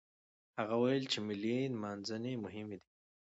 هغه وويل چې ملي نمانځنې مهمې دي.